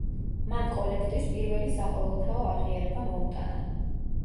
მან კოლექტივს პირველი საყოველთაო აღიარება მოუტანა.